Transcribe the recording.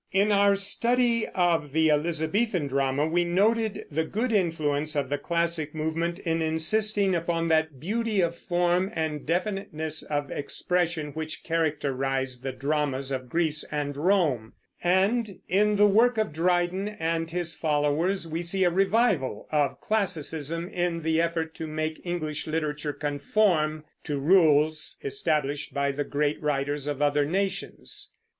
In our study of the Elizabethan drama we noted the good influence of the classic movement in insisting upon that beauty of form and definiteness of expression which characterize the dramas of Greece and Rome; and in the work of Dryden and his followers we see a revival of classicism in the effort to make English literature conform to rules established by the great writers of other nations.